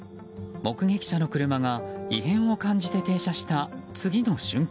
目撃者の車が異変を感じて停車した次の瞬間。